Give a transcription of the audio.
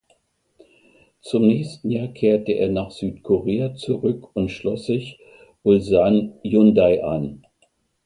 Zum nächsten Jahr kehrte er nach Südkorea zurück und schloss sich Ulsan Hyundai an.